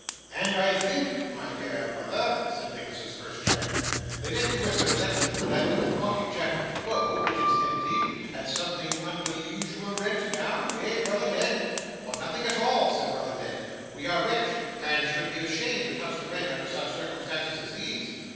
'And I think, my dear brother,' said Nicholas's first friend, 'that if we were to let them that little cottage at Bow which is empty, at something under the usual rent, now? Eh, brother Ned?' 'For nothing at all,' said brother Ned. 'We are rich, and should be ashamed to touch the rent under such circumstances as these.